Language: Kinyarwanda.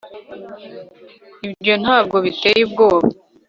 ibyo ntabwo biteye ubwoba